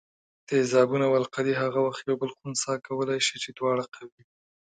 تیزابونه او القلي هغه وخت یو بل خنثي کولای شي چې دواړه قوي وي.